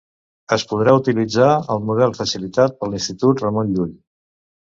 Es podrà utilitzar el model facilitat per l'Institut Ramon Llull.